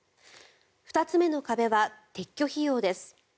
２つ目の壁は撤去費用です。